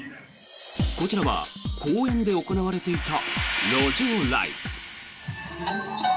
こちらは公園で行われていた路上ライブ。